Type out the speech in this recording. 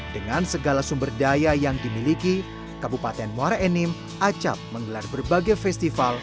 dengan segala sumber daya yang dimiliki kabupaten muara enim acap menggelar berbagai festival